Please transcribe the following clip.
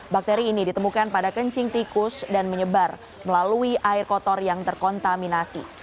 bakteri ini ditemukan pada kencing tikus dan menyebar melalui air kotor yang terkontaminasi